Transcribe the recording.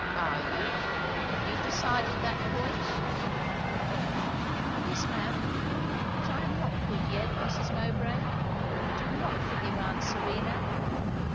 "Are you? Have you decided that point?" "Yes, ma'am. But I am not good yet, Mrs. Mowbray. I do not forgive aunt Serena.